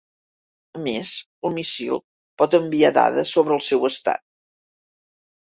A més el míssil pot enviar dades sobre el seu estat.